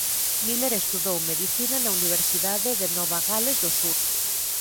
Miller estudou medicina na Universidade de Nova Gales do Sur.